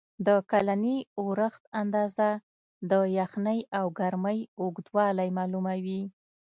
د کلني اورښت اندازه، د یخنۍ او ګرمۍ اوږدوالی معلوموي.